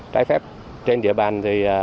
trái phép trên địa bàn